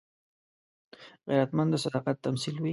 غیرتمند د صداقت تمثیل وي